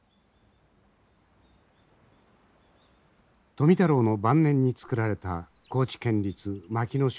富太郎の晩年に作られた高知県立牧野植物園。